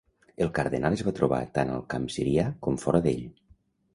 El cardenal es va trobar tant al camp sirià com fora d'ell.